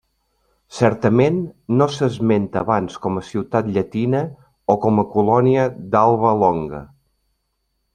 Certament no s'esmenta abans com a ciutat llatina o com a colònia d'Alba Longa.